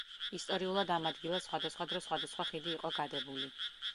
ისტორიულად ამ ადგილას სხვადასხვა დროს სხვადასხვა ხიდი იყო გადებული.